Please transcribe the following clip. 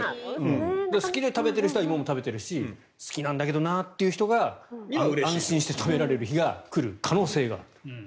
好きで食べてる人は今も食べてるし好きなんだけどなっていう人が安心して食べられる日が来る可能性があると。